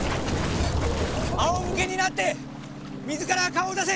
あお向けになって水から顔を出せ！